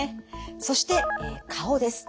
そして顔です。